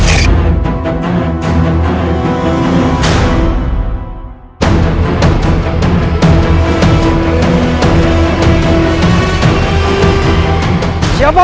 kalian telah memilih jalan yang benar